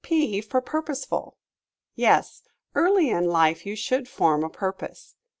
P for Purposeful. Yes, early hi life you should form a purpose.